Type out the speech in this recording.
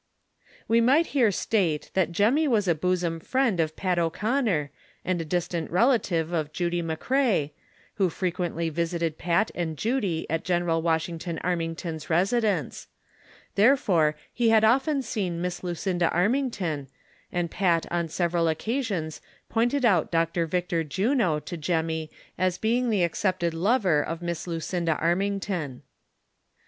We might here state that Jemmy was a bosom friend of Pat O'Conner. and a distant relative of Judy McCrea, who frequently visited Pat and Judy at General Washington 72 THE SOCIAL WAR OF 1900; OK, Armington's residence ; therefore he had often seen Miss Lucinda Aiaiingtoji, and Pat on several occasions pointed out Dr. Victor Juno to Jemmy as being the accepted lover of Miss Lucinda Armingtou.